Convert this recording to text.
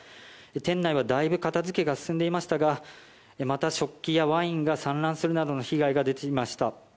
店内はだいぶ片付けが進んでいましたがまた食器やワインが散乱するなどの被害が出ていました。